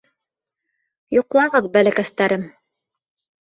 Йоҡлағыҙ, бәләкәстәрем.